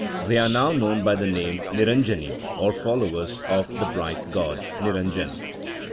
They are now known by the name of Niranjanie, or followers of the bright God (Niranjan).